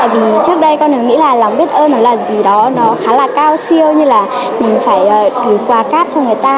vì trước đây con đường nghĩ là lòng biết ơn là gì đó nó khá là cao siêu như là mình phải gửi quà cát cho người ta